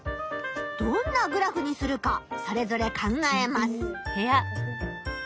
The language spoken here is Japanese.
どんなグラフにするかそれぞれ考えます。